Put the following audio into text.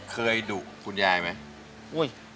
เคยดุคุณยายไหม